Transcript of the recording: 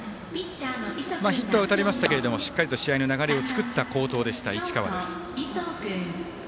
ヒットは打たれましたけれどもしっかりと試合の流れを作った好投でした、市川です。